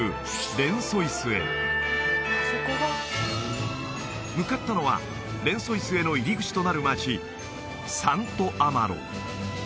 レンソイスへ向かったのはレンソイスへの入り口となる街サント・アマロ